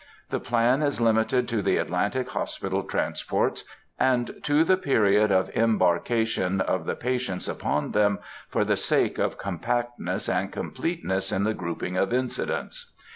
The plan is limited to the Atlantic hospital transports, and to the period of embarkation of the patients upon them, for the sake of compactness and completeness in the grouping of incidents.